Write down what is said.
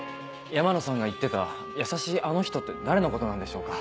山野さんが言ってた「優しいあの人」って誰のことなんでしょうか？